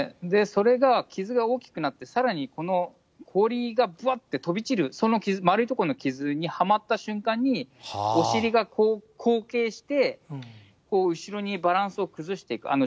で、それが傷が大きくなって、さらにこの氷がぶわって飛び散る、その丸いところの傷にはまった瞬間にお尻が後傾して後ろにバランスを崩していく。